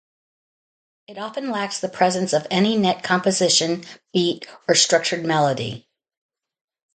It often lacks the presence of any net composition, beat, or structured melody.